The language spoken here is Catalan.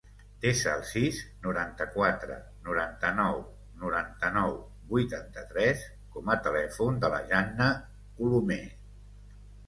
Desa el sis, noranta-quatre, noranta-nou, noranta-nou, vuitanta-tres com a telèfon de la Janna Colome.